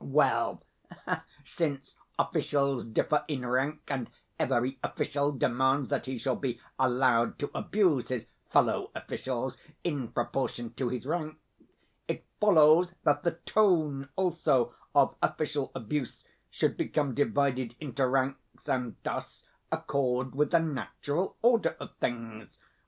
Well, since officials differ in rank, and every official demands that he shall be allowed to abuse his fellow officials in proportion to his rank, it follows that the TONE also of official abuse should become divided into ranks, and thus accord with the natural order of things.